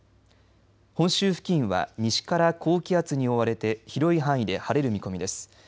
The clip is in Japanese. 本州付近は西から高気圧に覆われて広い範囲で晴れる見込みです。